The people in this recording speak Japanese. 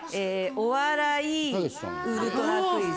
『お笑いウルトラクイズ』。